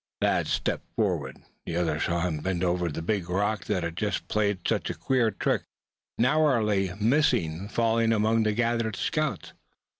Thad stepped forward. The others saw him bend over the big rock that had just played such a queer trick, narrowly missing falling among the gathered scouts.